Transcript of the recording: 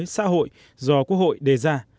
xã hội do quốc hội đề ra